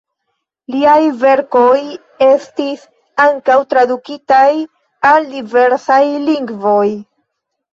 Liaj verkoj estis ankaŭ tradukitaj al diversaj lingvoj.